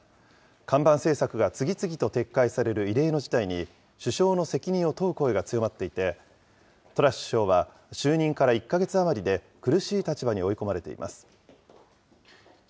看板政策が次々と撤回される異例の事態に、首相の責任を問う声が強まっていて、トラス首相は就任から１か月余りで苦しい立場に追い込まれています。